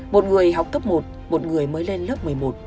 một người học cấp một một người mới lên lớp một mươi một